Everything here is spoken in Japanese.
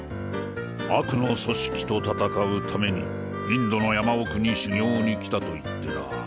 悪の組織と闘うためにインドの山奥に修行に来たと言ってな。